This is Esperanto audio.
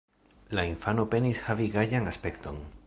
La infano penis havi gajan aspekton.